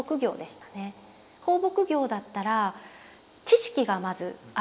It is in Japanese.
放牧業だったら知識がまずあると。